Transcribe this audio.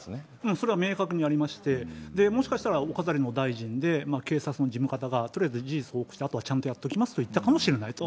それは明確にありまして、もしかしたらお飾りの大臣で、警察の事務方がとりあえずやっときますと言ったかもしれないと。